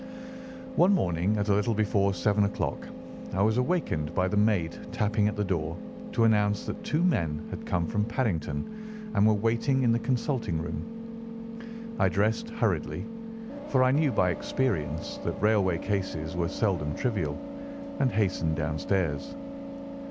One morning, at a little before seven o'clock, I was awakened by the maid tapping at the door to announce that two men had come from Paddington and were waiting in the consulting room. I dressed hurriedly, for I knew by experience that railway cases were seldom trivial, and hastened downstairs.